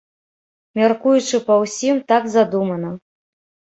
Мяркуючы па ўсім, так задумана.